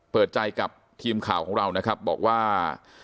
เปิดใจกับทีมข่าวของเรานะครับบอกว่า